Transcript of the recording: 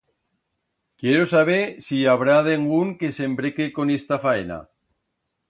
Quiero saber si i habrá dengún que s'embreque con esta fayena.